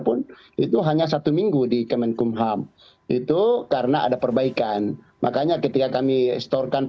pun itu hanya satu minggu di kemenkumham itu karena ada perbaikan makanya ketika kami storekan